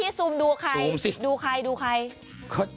พี่ซูมดูใครดูใคร